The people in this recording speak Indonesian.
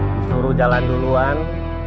disuruh jalan duluan